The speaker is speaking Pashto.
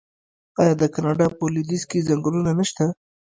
آیا د کاناډا په لویدیځ کې ځنګلونه نشته؟